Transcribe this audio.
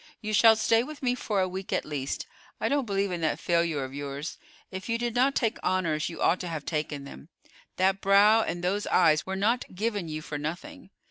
You shall stay with me for a week at least. I don't believe in that failure of yours. If you did not take honors, you ought to have taken them. That brow and those eyes were not given you for nothing.